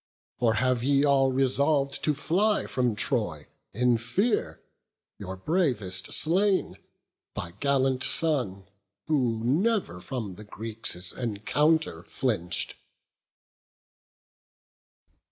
Or have ye all resolv'd to fly from Troy In fear, your bravest slain, thy gallant son, Who never from the Greeks' encounter flinch'd?"